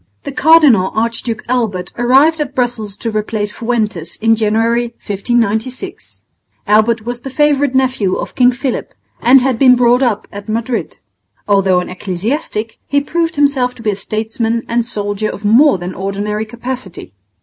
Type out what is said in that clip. The Cardinal Archduke Albert arrived at Brussels to replace Fuentes in January, 1596. Albert was the favourite nephew of King Philip, and had been brought up at Madrid. Although an ecclesiastic, he proved himself to be a statesman and soldier of more than ordinary capacity.